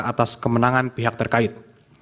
atas kemenangan pihak terkait